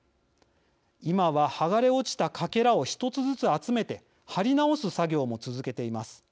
今は、はがれ落ちたかけらを１つずつ集めてはり直す作業も続けています。